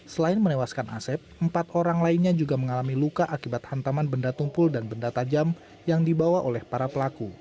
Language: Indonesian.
selain menewaskan asep empat orang lainnya juga mengalami luka akibat hantaman benda tumpul dan benda tajam yang dibawa oleh para pelaku